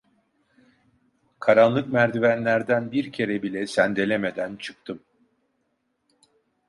Karanlık merdivenlerden bir kere bile sendelemeden çıktım.